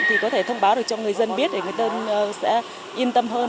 thì có thể thông báo được cho người dân biết để người dân sẽ yên tâm hơn